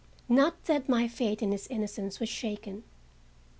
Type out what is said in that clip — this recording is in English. Not that my faith in his innocence was shaken.